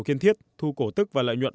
kiên thiết thu cổ tức và lợi nhuận